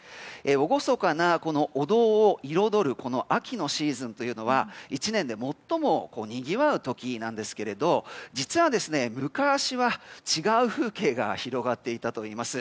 厳かなお堂を彩る秋のシーズンというのは１年で最もにぎわう時なんですけれど実は、昔は違う風景が広がっていたといいます。